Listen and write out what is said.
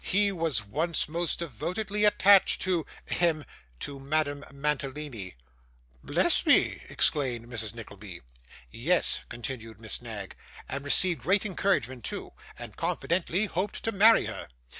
He was once most devotedly attached to hem to Madame Mantalini.' 'Bless me!' exclaimed Mrs. Nickleby. 'Yes,' continued Miss Knag, 'and received great encouragement too, and confidently hoped to marry her.